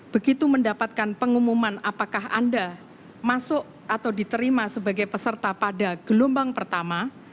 begitu mendapatkan pengumuman apakah anda masuk atau diterima sebagai peserta pada gelombang pertama